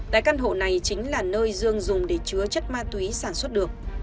tại căn hộ này chính là nơi dương dùng để chứa chất ma túy sản xuất được